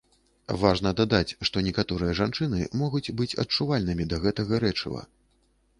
Важна дадаць, што некаторыя жанчыны могуць быць адчувальнымі да гэтага рэчыва.